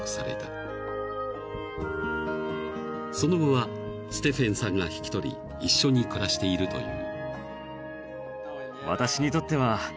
［その後はステフェンさんが引き取り一緒に暮らしているという］